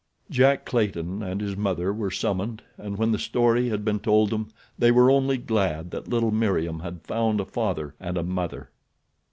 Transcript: Jack Clayton and his mother were summoned, and when the story had been told them they were only glad that little Meriem had found a father and a mother.